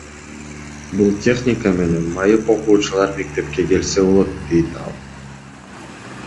Бул техника менен майып окуучулар мектепке келсе болот, дейт ал.